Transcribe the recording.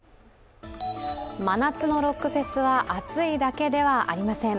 真夏のロックフェスは暑いだけではありません。